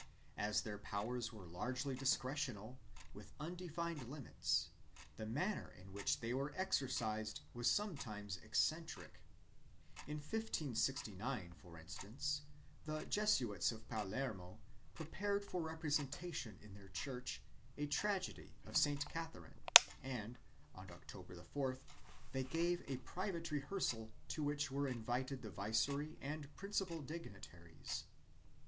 As their powers were largely discretional, with unde fined limits, the manner in which they were exercised was some times eccentric. In 1569, for instance, the Jesuits of Palermo prepared for representation in their church a tragedy of St. Catherine and, on October 4th, they gave a private rehearsal to which were invited the viceroy and principal dignitaries.